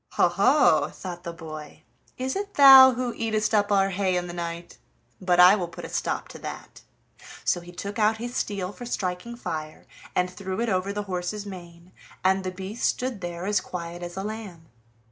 "Ho, ho!" thought the boy, "is it thou who eatest up our hay in the night? but I will put a stop to that." So he took out his steel for striking fire, and threw it over the horse's mane, and the beast stood there as quiet as a lamb.